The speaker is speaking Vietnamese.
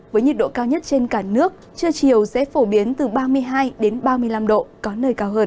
với nhiệt độ cao nhất trên cả nước trưa chiều sẽ phổ biến từ ba mươi hai ba mươi năm độ có nơi cao hơn